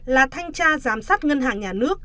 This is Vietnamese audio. là thanh tra giám sát ngân hàng nhà nước